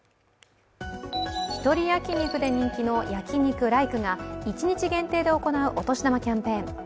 １人焼肉で人気の焼肉ライクが一日限定で行うお年玉キャンペーン。